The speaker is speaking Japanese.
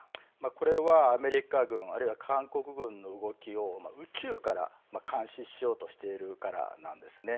これは、アメリカ軍あるいは韓国軍の動きを宇宙から監視しようとしているからなんですね。